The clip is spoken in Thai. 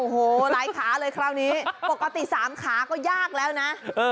โอ้โหหลายขาเลยคราวนี้ปกติ๓ขาก็ยากแล้วนะ